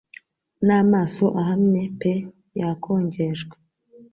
n'amaso ahamye pe yakongejwe.